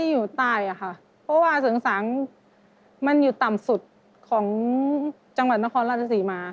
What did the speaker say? เพราะว่าเสริงสางมันอยู่ต่ำสุดของจังหวัดนครราชศรีมา